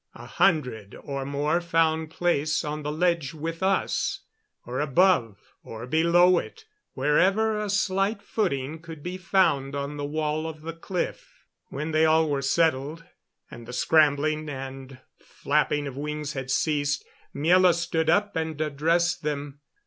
A hundred or more found place on the ledge with us, or above or below it wherever a slight footing could be found on the wall of the cliff. When they were all settled, and the scrambling and flapping of wings had ceased, Miela stood up and addressed them.